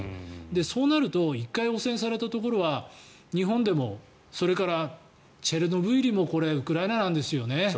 そうなると１回汚染されたところは日本でもそれからチェルノブイリもこれはウクライナなんですよね。